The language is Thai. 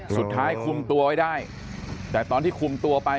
สุดท้ายคุมตัวไว้ได้แต่ตอนที่คุมตัวไป